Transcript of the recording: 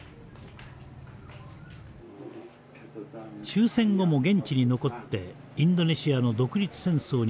終戦後も現地に残ってインドネシアの独立戦争に参加。